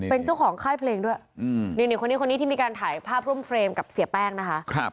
เป็นเจ้าของค่ายเพลงด้วยนี่คนนี้คนนี้ที่มีการถ่ายภาพร่วมเฟรมกับเสียแป้งนะคะ